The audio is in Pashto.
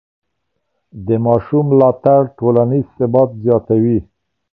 د ماشوم ملاتړ ټولنیز ثبات زیاتوي.